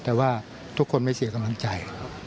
แต่ว่าทุกคนไม่เสียขวัญใจ